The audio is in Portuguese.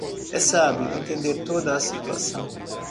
É sábio entender toda a situação.